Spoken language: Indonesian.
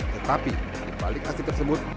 tetapi di balik aksi tersebut